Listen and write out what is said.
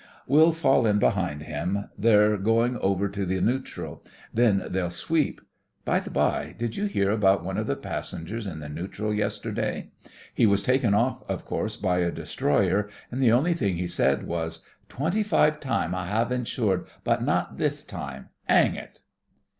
" We'll fall in behind him. They're going over to the neutral. Then they'll sweep. By the bye, did you hear about one of the passengers in the neutral yesterday. He was taken off, of course, by a destroyer, and the only thing he said was: 'Twenty five time I 'ave insured, but not this time. ... 'Ang it!'"